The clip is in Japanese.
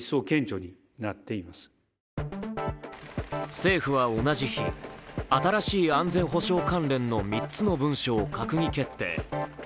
政府は同じ日、新しい安全保障関連の３つの文書を閣議決定。